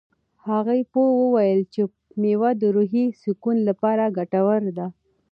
هغه پوه وویل چې مېوه د روحي سکون لپاره ګټوره ده.